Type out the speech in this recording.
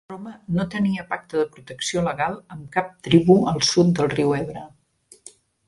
Roma no tenia pacte de protecció legal amb cap tribu al sud del riu Ebre.